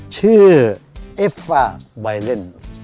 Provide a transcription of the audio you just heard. ชื่อเอฟฟาไวเลนส์